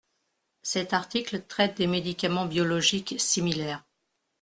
Cet article traite des médicaments biologiques similaires.